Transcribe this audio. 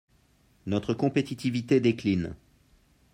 Notre compétitivité décline.